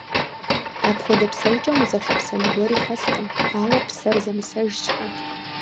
Апхуэдэ псэукӀэм узэхъуэпсэн гуэри хэлъкъым, ауэ псэр зэмысэж щыӀэ!